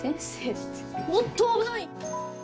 おっと危ない！